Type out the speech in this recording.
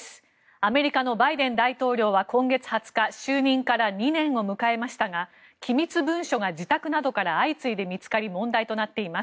アメリカのバイデン大統領は今月２０日就任から２年を迎えましたが機密文書が自宅などから相次いで見つかり問題となっています。